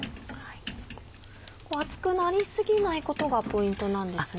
熱くなり過ぎないことがポイントなんですね？